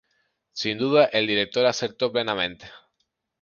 Sin duda, el director acertó plenamente.